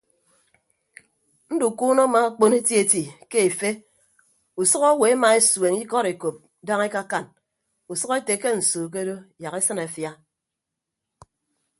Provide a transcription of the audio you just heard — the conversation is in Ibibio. Ndukuunọ amaakpon etieti ke efe usʌk owo emaesueñ ikọd ekop daña ekaakan usʌk ete ke nsu ke odo yak esịn afia.